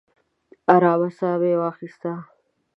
ارام ساه مې واخیسته.